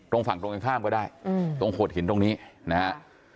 ฝั่งตรงกันข้ามก็ได้ตรงโขดหินตรงนี้นะฮะ